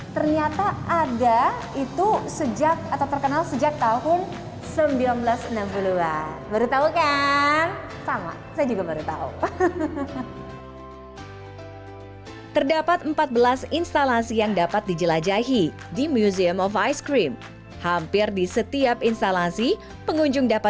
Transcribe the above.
terima kasih sampai jumpa di video selanjutnya